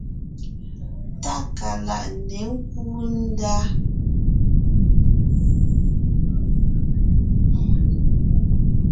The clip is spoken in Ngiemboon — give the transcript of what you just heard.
Tákaláʼ ně kúu ndá.